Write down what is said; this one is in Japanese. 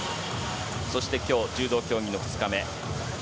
そして、今日柔道競技の２日目。